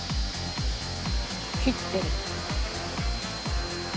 切ってる。